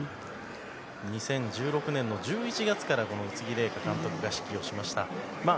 ２０１６年の１１月から宇津木麗華監督が指揮をしました。